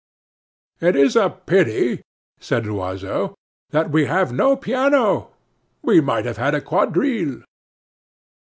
"It is a pity," said Loiseau, "that we have no piano; we might have had a quadrille."